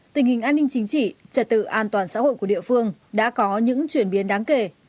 tình hình an ninh chính trị trật tự an toàn xã hội của địa phương đã có những chuyển biến đáng kể